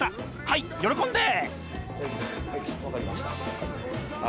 はい喜んで！